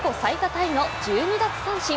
タイの１２奪三振。